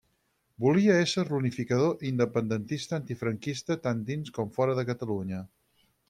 Volia ésser l'unificador independentista antifranquista tant dins com fora de Catalunya.